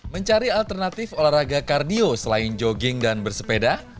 mencari alternatif olahraga kardio selain jogging dan bersepeda